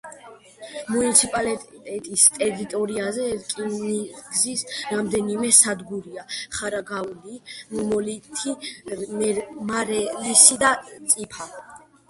მუნიციპალიტეტის ტერიტორიაზე რკინიგზის რამდენიმე სადგურია: ხარაგაული, მოლითი, მარელისი, წიფა.